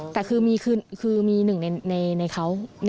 แต่คือมีหนึ่งในเขา